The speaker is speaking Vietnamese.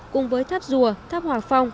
cùng với tháp rùa tháp hoàng phong